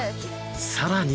さらに！